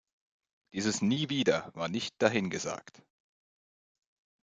Dieses "Nie wieder" war nicht dahingesagt.